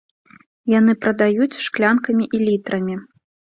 Яны прадаюць шклянкамі і літрамі.